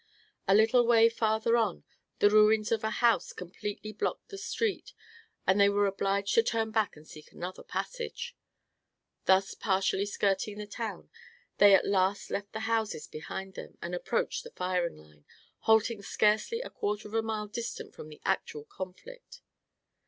A little way farther on the ruins of a house completely blocked the street and they were obliged to turn back and seek another passage. Thus partially skirting the town they at last left the houses behind them and approached the firing line, halting scarcely a quarter of a mile distant from the actual conflict.